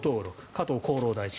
加藤厚労大臣。